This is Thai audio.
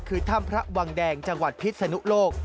คือถ้ำพระวังแดงจังหวัดพิษนุโลก